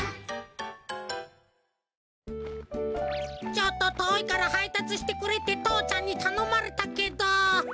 ちょっととおいからはいたつしてくれってとうちゃんにたのまれたけど。